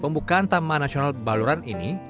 pembukaan taman nasional baluran ini